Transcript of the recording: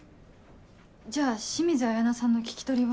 じゃあ清水彩菜さんの聞き取りは。